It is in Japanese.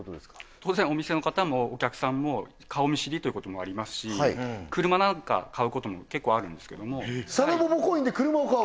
当然お店の方もお客さんも顔見知りということもありますし車なんか買うことも結構あるんですけどもさるぼぼコインで車を買う？